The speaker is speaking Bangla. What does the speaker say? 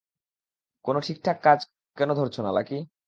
কোনো ঠিকঠাক কাজ কেনো ধরছো না, লাকি?